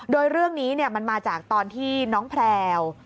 โดยเรื่องนี้มันมาจากตอนที่น้องแพลว